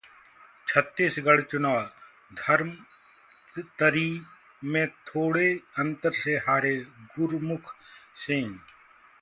छत्तीसगढ़ चुनाव: धमतरी में थोड़े अंतर से हारे गुरमुख सिंह